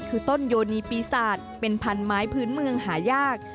คือต้นโยนีปีศาจเป็นพันไม้พื้นเมืองหายาก